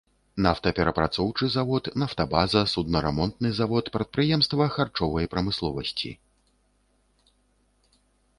Нафтаперапрацоўчы завод, нафтабаза, суднарамонтны завод, прадпрыемства харчовай прамысловасці.